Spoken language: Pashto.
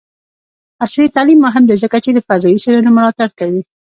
عصري تعلیم مهم دی ځکه چې د فضايي څیړنو ملاتړ کوي.